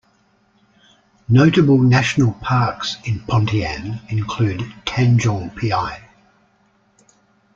Notable national parks in Pontian include Tanjung Piai.